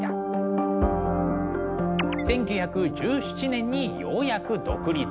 １９１７年にようやく独立。